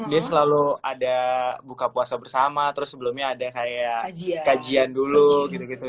dia selalu ada buka puasa bersama terus sebelumnya ada kayak kajian dulu gitu gitu